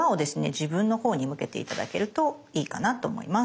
自分のほうに向けて頂けるといいかなと思います。